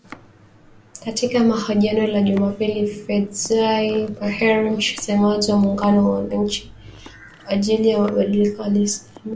Katika mahojiano ya Jumapili, Fadzayi Mahere, msemaji wa muungano wa wananchi kwa ajili ya mabadiliko, alisema chama chake hakijafurahishwa.